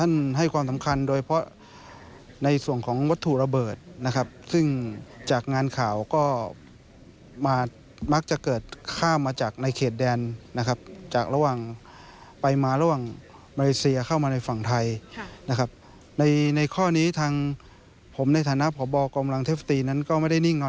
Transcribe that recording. ในการลาดตระเวนทุกครั้ง